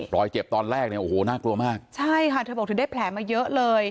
เจ็บตอนแรกเนี่ยโอ้โหน่ากลัวมากใช่ค่ะเธอบอกเธอได้แผลมาเยอะเลย